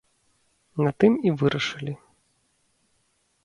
На тым і вырашылі.